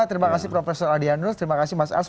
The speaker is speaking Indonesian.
terima kasih prof adianus terima kasih mas ars